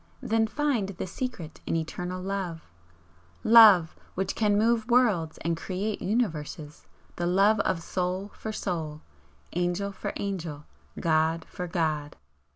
Then find the secret in Eternal Love! 'Love, which can move worlds and create universes, the love of soul for soul, angel for angel, god for god!"